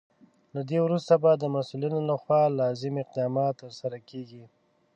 له دې وروسته به د مسولینو لخوا لازم اقدامات ترسره کیږي.